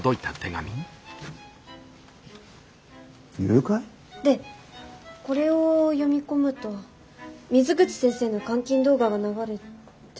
誘拐？でこれを読み込むと水口先生の監禁動画が流れて。